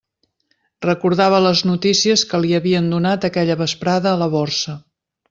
Recordava les notícies que li havien donat aquella vesprada a la Borsa.